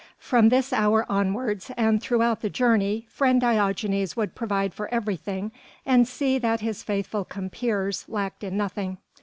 From this hour onwards and throughout the journey friend Diogenes would provide for everything and see that his faithful compeers lacked in nothing.